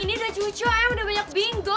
ini udah cuco em udah banyak bingo